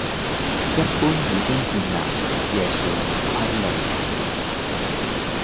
一般已經建立日夜睡眠規律